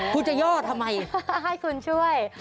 คุณจะย่อทำไมให้คุณช่วย